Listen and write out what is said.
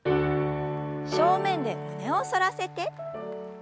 正面で胸を反らせて。